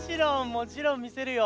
もちろんみせるよ。